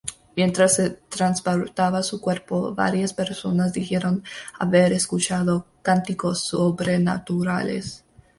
Mientras se transportaba su cuerpo, varias personas dijeron haber escuchado cánticos sobrenaturales.